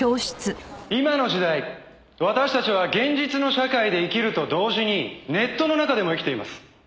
今の時代私たちは現実の社会で生きると同時にネットの中でも生きています。